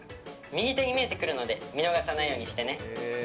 右手に見えてくるので、見逃さないようにしてね。